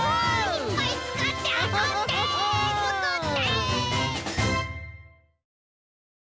いっぱいつかってあそんでつくって！